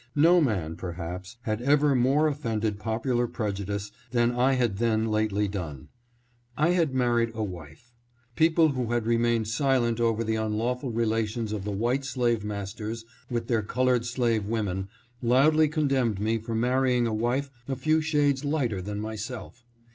No man, perhaps, had ever more offended popular preju dice than I had then lately done. I had married a wife. People who had remained silent over the unlawful rela tions of the white slave masters with their colored slave women loudly condemned me for marrying a wife a few shades lighter than myself.